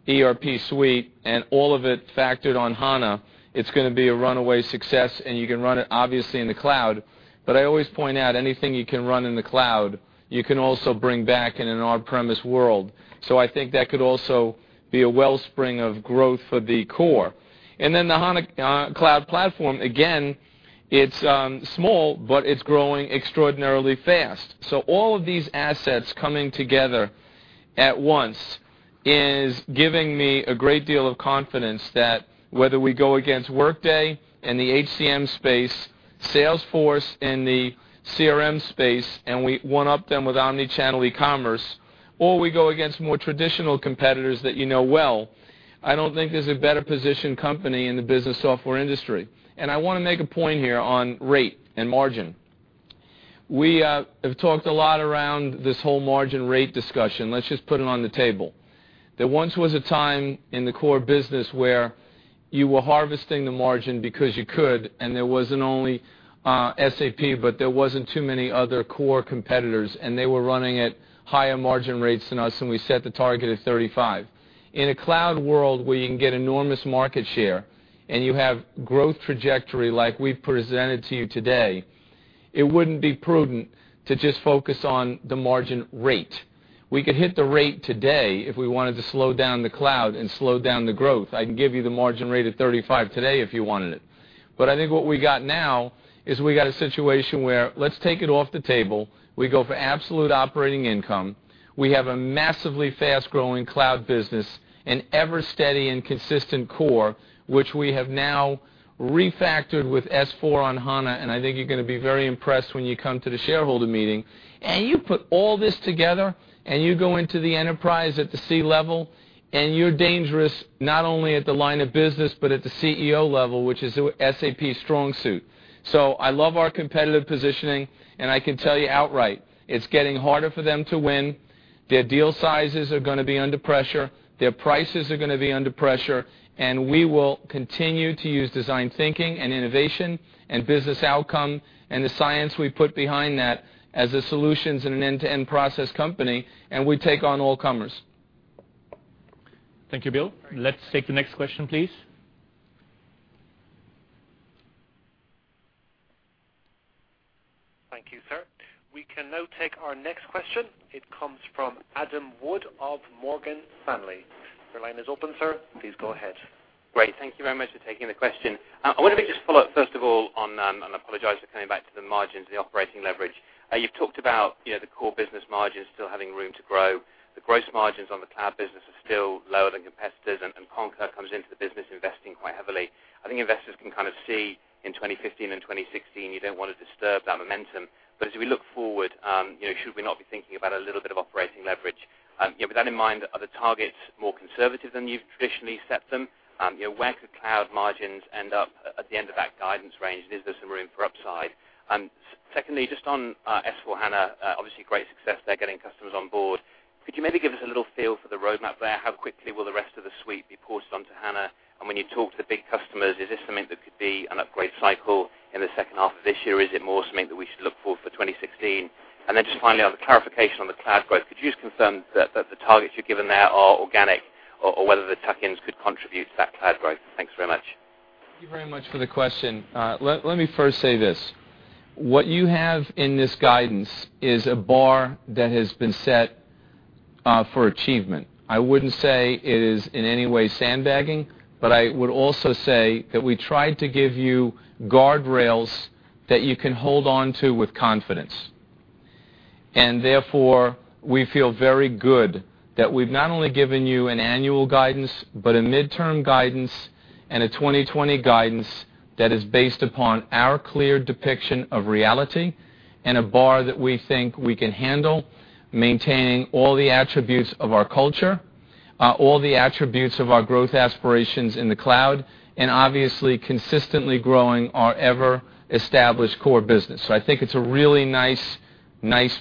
ERP suite, and all of it factored on SAP HANA. It's going to be a runaway success, and you can run it obviously in the cloud. I always point out anything you can run in the cloud, you can also bring back in an on-premise world. I think that could also be a wellspring of growth for the core. The SAP HANA Cloud Platform, again, it's small, but it's growing extraordinarily fast. All of these assets coming together at once is giving me a great deal of confidence that whether we go against Workday in the HCM space, Salesforce in the CRM space, and we one-up them with omnichannel e-commerce, or we go against more traditional competitors that you know well, I don't think there's a better positioned company in the business software industry. I want to make a point here on rate and margin. We have talked a lot around this whole margin rate discussion. Let's just put it on the table. There once was a time in the core business where you were harvesting the margin because you could, and there wasn't only SAP, but there wasn't too many other core competitors, and they were running at higher margin rates than us, and we set the target at 35. In a cloud world where you can get enormous market share and you have growth trajectory like we've presented to you today, it wouldn't be prudent to just focus on the margin rate. We could hit the rate today if we wanted to slow down the cloud and slow down the growth. I can give you the margin rate at 35 today if you wanted it. I think what we got now is we got a situation where let's take it off the table, we go for absolute operating income, we have a massively fast-growing cloud business, an ever steady and consistent core, which we have now refactored with S/4 on HANA, and I think you're going to be very impressed when you come to the shareholder meeting. You put all this together, and you go into the enterprise at the C level, and you're dangerous not only at the line of business but at the CEO level, which is SAP's strong suit. I love our competitive positioning, and I can tell you outright, it's getting harder for them to win. Their deal sizes are going to be under pressure. Their prices are going to be under pressure, and we will continue to use design thinking and innovation and business outcome and the science we put behind that as a solutions and an end-to-end process company, and we take on all comers. Thank you, Bill. Let's take the next question, please. Thank you, sir. We can now take our next question. It comes from Adam Wood of Morgan Stanley. Your line is open, sir. Please go ahead. Great. Thank you very much for taking the question. I want to maybe just follow up, first of all, on, and I apologize for coming back to the margins, the operating leverage. You've talked about the core business margins still having room to grow. The gross margins on the cloud business are still lower than competitors, and Concur comes into the business investing quite heavily. I think investors can kind of see in 2015 and 2016, you don't want to disturb that momentum. As we look forward, should we not be thinking about a little bit of operating leverage? With that in mind, are the targets more conservative than you've traditionally set them? Where could cloud margins end up at the end of that guidance range? Is there some room for upside? Secondly, just on S/4HANA, obviously great success there getting customers on board. Could you maybe give us a little feel for the roadmap there? How quickly will the rest of the suite be ported onto HANA? When you talk to big customers, is this something that could be an upgrade cycle in the second half of this year, or is it more something that we should look for for 2016? Just finally, on the clarification on the cloud growth, could you just confirm that the targets you're given there are organic, or whether the tuck-ins could contribute to that cloud growth? Thanks very much. Thank you very much for the question. Let me first say this. What you have in this guidance is a bar that has been set for achievement. I wouldn't say it is in any way sandbagging, but I would also say that we tried to give you guardrails that you can hold on to with confidence. Therefore, we feel very good that we've not only given you an annual guidance, but a midterm guidance and a 2020 guidance that is based upon our clear depiction of reality and a bar that we think we can handle, maintaining all the attributes of our culture, all the attributes of our growth aspirations in the cloud, and obviously, consistently growing our ever-established core business. I think it's a really nice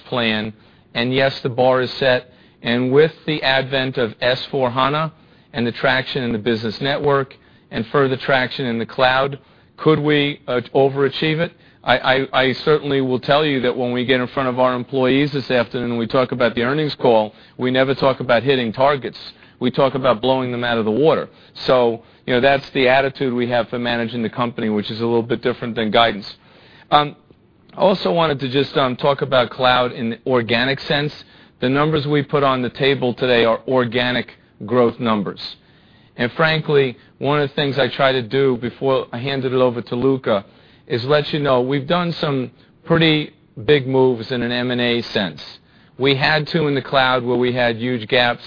plan. Yes, the bar is set, and with the advent of S/4HANA and the traction in the business network and further traction in the cloud, could we overachieve it? I certainly will tell you that when we get in front of our employees this afternoon and we talk about the earnings call, we never talk about hitting targets. We talk about blowing them out of the water. That's the attitude we have for managing the company, which is a little bit different than guidance. I also wanted to just talk about cloud in the organic sense. The numbers we put on the table today are organic growth numbers. Frankly, one of the things I try to do before I handed it over to Luka is let you know we've done some pretty big moves in an M&A sense. We had to in the cloud where we had huge gaps.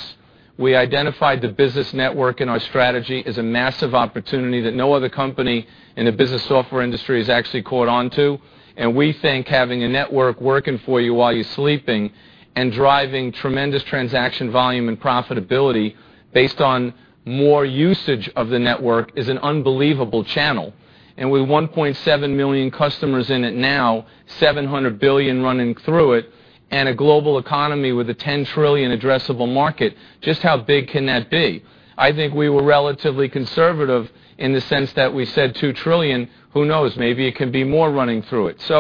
We identified the business network in our strategy as a massive opportunity that no other company in the business software industry has actually caught onto. We think having a network working for you while you're sleeping and driving tremendous transaction volume and profitability based on more usage of the network is an unbelievable channel. With 1.7 million customers in it now, 700 billion running through it, and a global economy with a 10 trillion addressable market, just how big can that be? I think we were relatively conservative in the sense that we said 2 trillion. Who knows? Maybe it can be more running through it.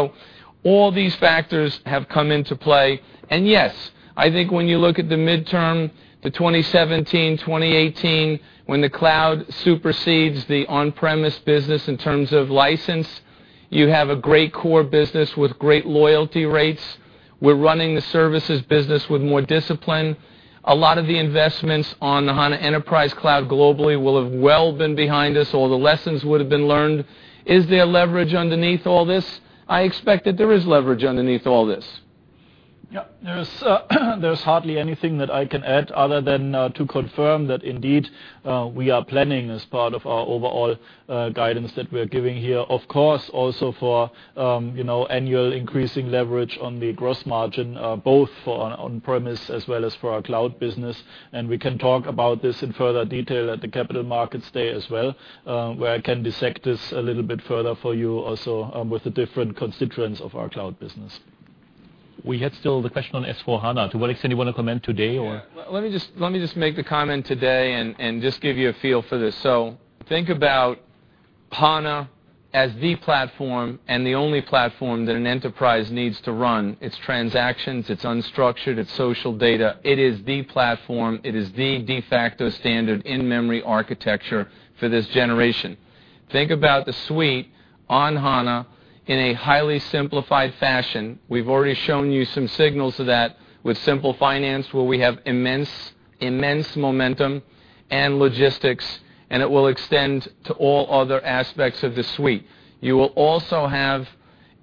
All these factors have come into play. Yes, I think when you look at the midterm, the 2017, 2018, when the cloud supersedes the on-premise business in terms of license, you have a great core business with great loyalty rates. We're running the services business with more discipline. A lot of the investments on the HANA Enterprise Cloud globally will have well been behind us, all the lessons would have been learned. Is there leverage underneath all this? I expect that there is leverage underneath all this. Yeah. There's hardly anything that I can add other than to confirm that indeed, we are planning as part of our overall guidance that we're giving here, of course, also for annual increasing leverage on the gross margin, both for on-premise as well as for our cloud business. We can talk about this in further detail at the Capital Markets Day as well, where I can dissect this a little bit further for you also, with the different constituents of our cloud business. We had still the question on S/4HANA. To what extent you want to comment today? Yeah. Let me just make the comment today and just give you a feel for this. Think about HANA as the platform and the only platform that an enterprise needs to run its transactions, its unstructured, its social data. It is the platform. It is the de facto standard in-memory architecture for this generation. Think about the suite on HANA in a highly simplified fashion. We've already shown you some signals of that with Simple Finance, where we have immense momentum and logistics, and it will extend to all other aspects of the suite. You will also have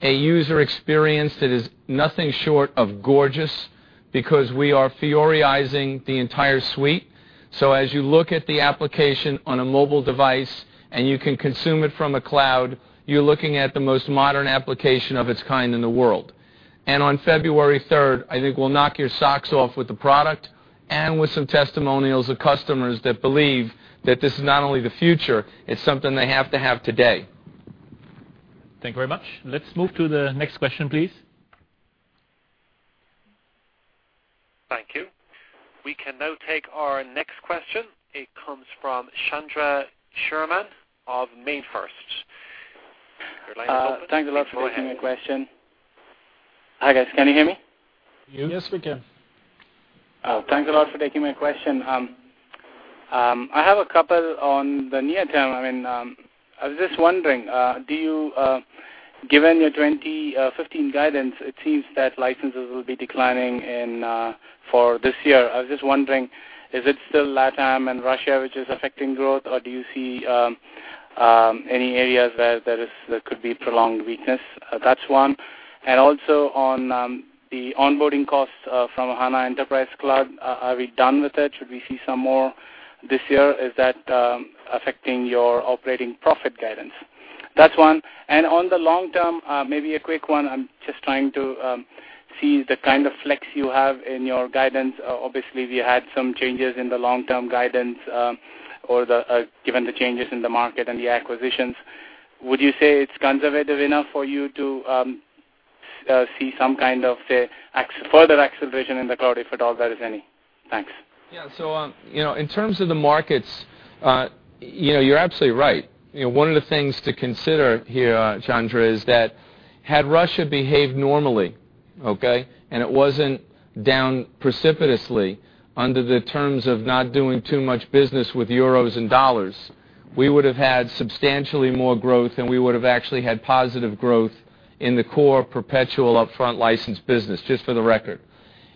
a user experience that is nothing short of gorgeous because we are Fiori-izing the entire suite. As you look at the application on a mobile device, and you can consume it from a cloud, you're looking at the most modern application of its kind in the world. On February 3rd, I think we'll knock your socks off with the product and with some testimonials of customers that believe that this is not only the future, it's something they have to have today. Thank you very much. Let's move to the next question, please. Thank you. We can now take our next question. It comes from Chandramouli Sriraman of Nomura. Your line is open. Thanks a lot for taking my question. Hi, guys. Can you hear me? Yes, we can. Thanks a lot for taking my question. I have a couple on the near term. I was just wondering, given your 2015 guidance, it seems that licenses will be declining for this year. I was just wondering, is it still LatAm and Russia which is affecting growth? Do you see any areas where there could be prolonged weakness? That's one. Also on the onboarding costs from SAP HANA Enterprise Cloud, are we done with it? Should we see some more this year? Is that affecting your operating profit guidance? That's one. On the long term, maybe a quick one. I'm just trying to see the kind of flex you have in your guidance. Obviously, we had some changes in the long-term guidance given the changes in the market and the acquisitions. Would you say it's conservative enough for you to see some kind of further acceleration in the cloud, if at all there is any? Thanks. Yeah. In terms of the markets, you're absolutely right. One of the things to consider here, Chandra, is that had Russia behaved normally, okay, and it wasn't down precipitously under the terms of not doing too much business with EUR and USD We would have had substantially more growth, and we would have actually had positive growth in the core perpetual upfront license business, just for the record.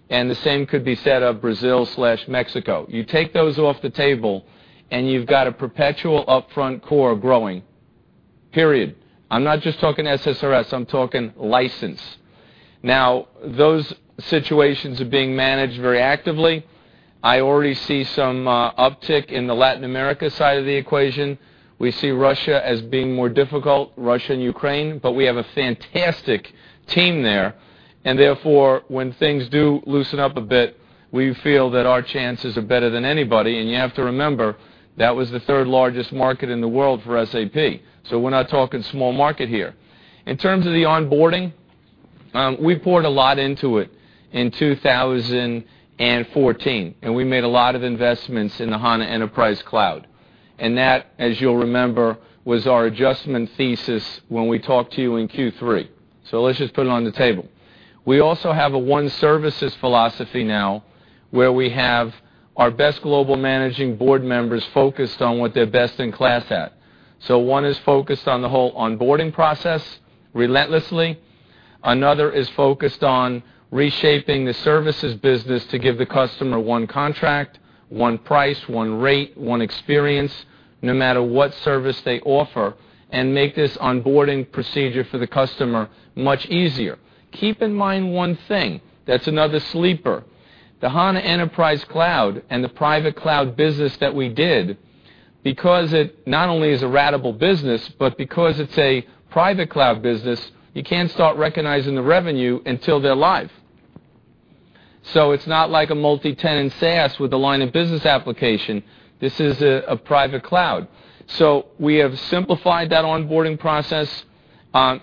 The same could be said of Brazil/Mexico. You take those off the table and you've got a perpetual upfront core growing, period. I'm not just talking SSRS, I'm talking license. Those situations are being managed very actively. I already see some uptick in the Latin America side of the equation. We see Russia as being more difficult, Russia and Ukraine, we have a fantastic team there. Therefore, when things do loosen up a bit, we feel that our chances are better than anybody. You have to remember, that was the third largest market in the world for SAP. We're not talking small market here. In terms of the onboarding, we poured a lot into it in 2014, we made a lot of investments in the HANA Enterprise Cloud. That, as you'll remember, was our adjustment thesis when we talked to you in Q3. Let's just put it on the table. We also have a one services philosophy now, where we have our best global managing board members focused on what they're best in class at. One is focused on the whole onboarding process relentlessly. Another is focused on reshaping the services business to give the customer one contract, one price, one rate, one experience, no matter what service they offer, and make this onboarding procedure for the customer much easier. Keep in mind one thing, that's another sleeper. The HANA Enterprise Cloud and the private cloud business that we did, because it not only is a ratable business, but because it's a private cloud business, you can't start recognizing the revenue until they're live. It's not like a multi-tenant SaaS with a line of business application. This is a private cloud. We have simplified that onboarding process.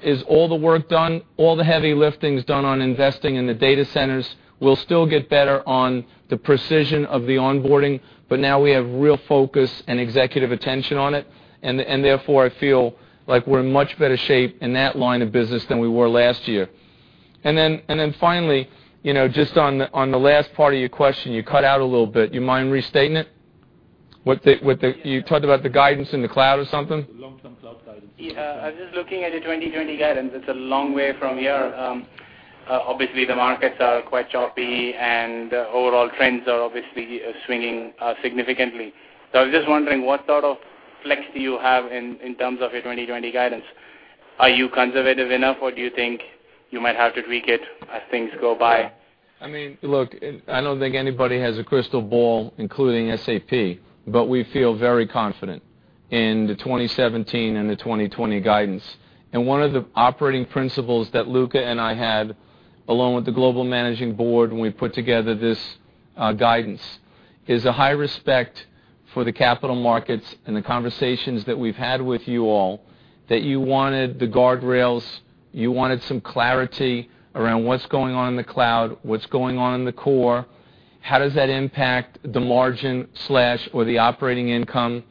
Is all the work done? All the heavy lifting is done on investing in the data centers. We'll still get better on the precision of the onboarding, now we have real focus and executive attention on it. Therefore, I feel like we're in much better shape in that line of business than we were last year. Finally, just on the last part of your question, you cut out a little bit. You mind restating it? You talked about the guidance in the cloud or something? The long-term cloud guidance. Yeah. I was just looking at the 2020 guidance. It's a long way from here. Obviously, the markets are quite choppy, and overall trends are obviously swinging significantly. I was just wondering, what sort of flex do you have in terms of your 2020 guidance? Are you conservative enough, or do you think you might have to tweak it as things go by? Look, I don't think anybody has a crystal ball, including SAP, but we feel very confident in the 2017 and the 2020 guidance. One of the operating principles that Luka and I had, along with the global managing board when we put together this guidance, is a high respect for the capital markets and the conversations that we've had with you all, that you wanted the guardrails, you wanted some clarity around what's going on in the cloud, what's going on in the core, how does that impact the margin/or the operating income.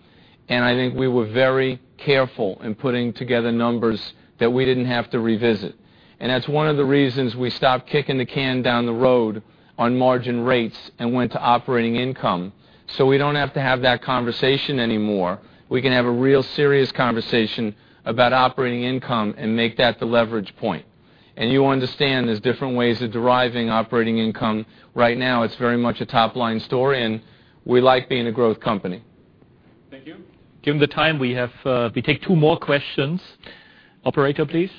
I think we were very careful in putting together numbers that we didn't have to revisit. That's one of the reasons we stopped kicking the can down the road on margin rates and went to operating income, so we don't have to have that conversation anymore. We can have a real serious conversation about operating income and make that the leverage point. You understand there's different ways of deriving operating income. Right now, it's very much a top-line story, and we like being a growth company. Thank you. Given the time we have, we take two more questions. Operator, please.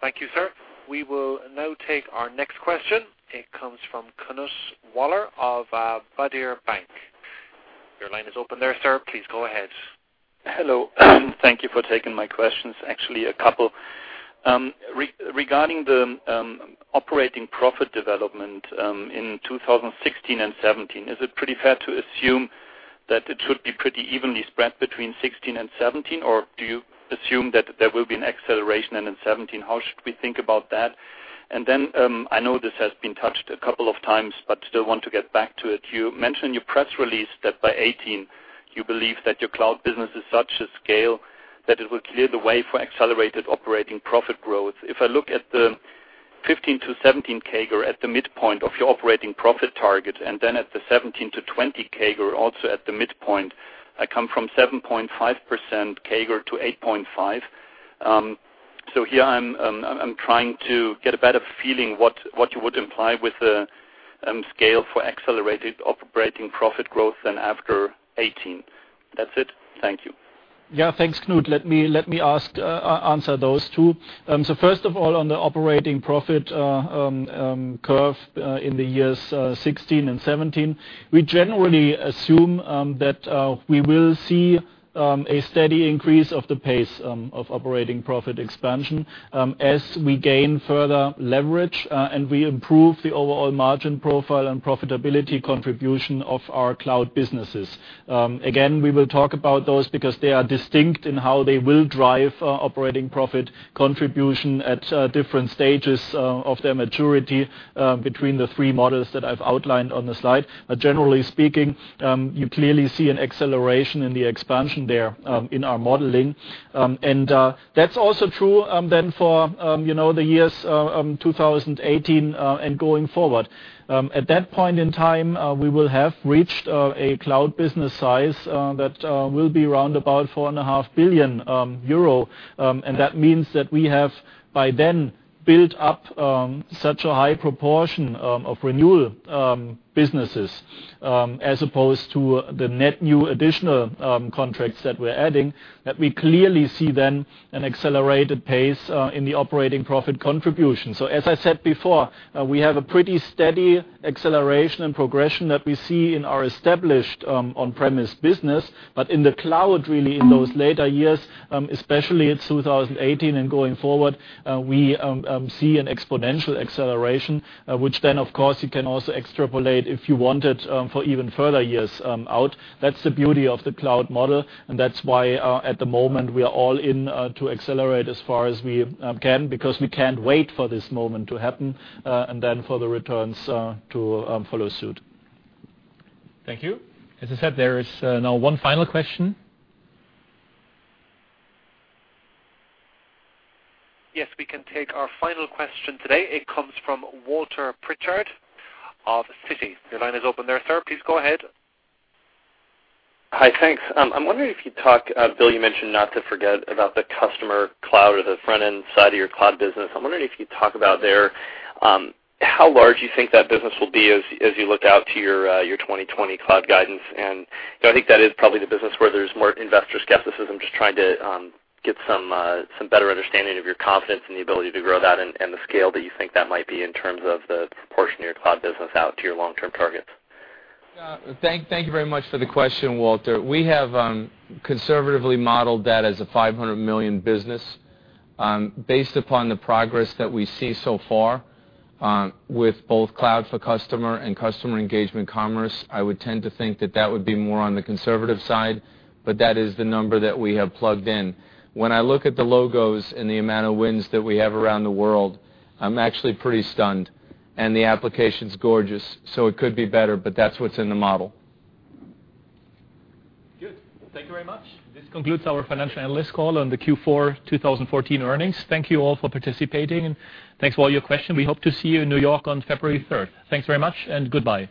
Thank you, sir. We will now take our next question. It comes from Knut Woller of Berenberg Bank. Your line is open there, sir. Please go ahead. Hello. Thank you for taking my questions. Actually, a couple. Regarding the operating profit development in 2016 and 2017, is it pretty fair to assume that it should be pretty evenly spread between 2016 and 2017? Do you assume that there will be an acceleration in 2017? How should we think about that? Then, I know this has been touched a couple of times, but still want to get back to it. You mentioned in your press release that by 2018, you believe that your cloud business is such a scale that it will clear the way for accelerated operating profit growth. If I look at the 2015 to 2017 CAGR at the midpoint of your operating profit target, then at the 2017 to 2020 CAGR, also at the midpoint, I come from 7.5% CAGR to 8.5%. Here I'm trying to get a better feeling what you would imply with the scale for accelerated operating profit growth then after 2018. That's it. Thank you. Yeah, thanks, Knut. Let me answer those two. First of all, on the operating profit curve in the years 2016 and 2017, we generally assume that we will see a steady increase of the pace of operating profit expansion as we gain further leverage, and we improve the overall margin profile and profitability contribution of our cloud businesses. Again, we will talk about those because they are distinct in how they will drive operating profit contribution at different stages of their maturity between the three models that I've outlined on the slide. Generally speaking, you clearly see an acceleration in the expansion there in our modeling. That's also true then for the years 2018 and going forward. At that point in time, we will have reached a cloud business size that will be around about 4.5 billion euro. That means that we have by then built up such a high proportion of renewal businesses, as opposed to the net new additional contracts that we're adding, that we clearly see then an accelerated pace in the operating profit contribution. As I said before, we have a pretty steady acceleration and progression that we see in our established on-premise business. In the cloud, really, in those later years, especially in 2018 and going forward, we see an exponential acceleration. Which then, of course, you can also extrapolate if you wanted for even further years out. That's the beauty of the cloud model. That's why at the moment, we are all in to accelerate as far as we can because we can't wait for this moment to happen, and then for the returns to follow suit. Thank you. As I said, there is now one final question. Yes, we can take our final question today. It comes from Walter Pritchard of Citi. Your line is open there, sir. Please go ahead. Hi. Thanks. I'm wondering if you talk, Bill, you mentioned not to forget about the customer cloud or the front-end side of your cloud business. I'm wondering if you'd talk about there how large you think that business will be as you look out to your 2020 cloud guidance. I think that is probably the business where there's more investor skepticism. Just trying to get some better understanding of your confidence in the ability to grow that and the scale that you think that might be in terms of the proportion of your cloud business out to your long-term targets. Thank you very much for the question, Walter. We have conservatively modeled that as a 500 million business. Based upon the progress that we see so far with both Cloud for Customer and Customer Engagement Commerce, I would tend to think that that would be more on the conservative side. That is the number that we have plugged in. When I look at the logos and the amount of wins that we have around the world, I'm actually pretty stunned. The application's gorgeous, so it could be better, but that's what's in the model. Good. Thank you very much. This concludes our financial analyst call on the Q4 2014 earnings. Thank you all for participating, and thanks for all your questions. We hope to see you in New York on February 3rd. Thanks very much, and goodbye.